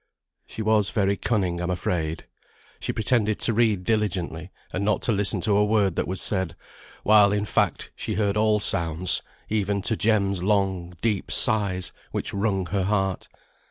She was very cunning, I am afraid. She pretended to read diligently, and not to listen to a word that was said, while, in fact, she heard all sounds, even to Jem's long, deep sighs, which wrung her heart.